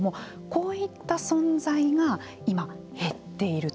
こういった存在が今、減っていると。